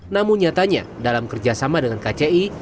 namun nyatanya dalam kerjasama dengan kci